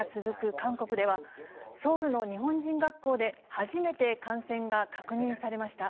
韓国では、ソウルの日本人学校で初めて感染が確認されました。